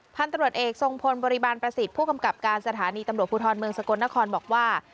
พันธุ์ตำรวจเอกทรงพลบริบาลประสิทธิ์ผู้กำกับการสถานีตำรวจภูทรเมืองสกลนครบอกว่า